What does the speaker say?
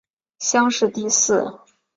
乡试第四。